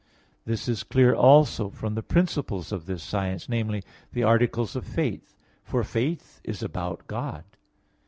This is clear also from the principles of this science, namely, the articles of faith, for faith is about God.